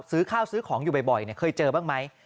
ซื้อข้าวซื้อของอยู่บ่อยเคยเจอบ้างไหม